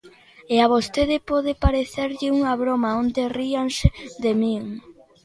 E a vostede pode parecerlle unha broma, onte ríanse de min.